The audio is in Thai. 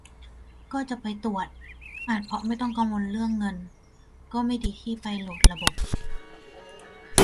ก็จะไปตรวจ อาจเพราะไม่ต้องกังวลเรื่องเงิน - ก็ไม่ดีที่ไปโหลดระบบ